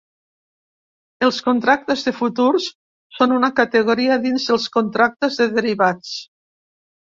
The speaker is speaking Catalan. Els contractes de futurs són una categoria dins dels contractes de derivats.